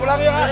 pulang yuk mak